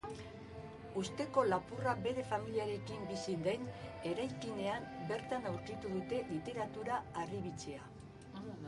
Ustezko lapurra bere familiarekin bizi den eraikinean bertan aurkitu dute literatura harribitxia.